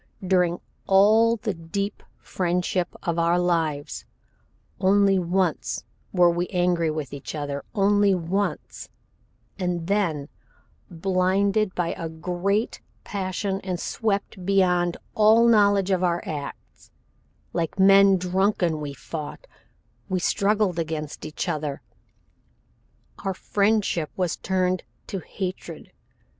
During all the deep friendship of our lives, only once were we angry with each other only once and then blinded by a great passion and swept beyond all knowledge of our acts, like men drunken we fought we struggled against each other. Our friendship was turned to hatred.